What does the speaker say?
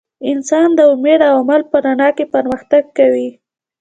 انسان د امید او عمل په رڼا کې پرمختګ کوي.